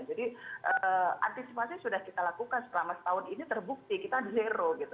jadi antisipasi sudah kita lakukan selama setahun ini terbukti kita zero gitu